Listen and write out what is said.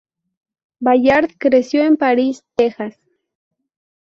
Ballard creció en Paris, Texas.